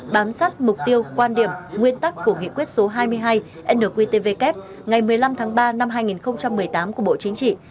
bám sát mục tiêu quan điểm nguyên tắc của nghị quyết số hai mươi hai nqtvk ngày một mươi năm tháng ba năm hai nghìn một mươi tám của bộ chính trị